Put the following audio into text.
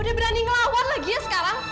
udah berani ngelawan lagi ya sekarang